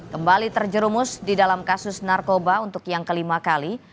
kembali terjerumus di dalam kasus narkoba untuk yang kelima kali